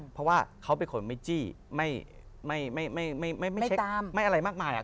เพราะว่าเขาเป็นคนไม่จี้ไม่ไม่เช็คไม่อะไรมากมาย